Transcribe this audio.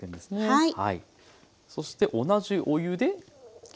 はい。